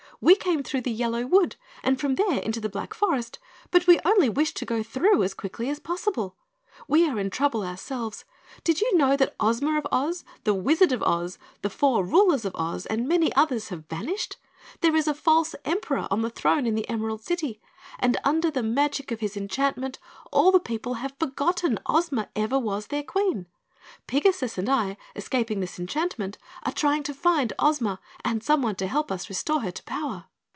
We came through the Yellow Wood and from there into the Black Forest, but we only wished to go through as quickly as possible. We are in trouble ourselves. Did you know that Ozma of Oz, the Wizard of Oz, the four rulers of Oz, and many others have vanished? There is a false Emperor on the throne in the Emerald City and under the magic of his enchantment all the people have forgotten Ozma ever was their Queen. Pigasus and I, escaping this enchantment, are trying to find Ozma and someone to help us restore her to power."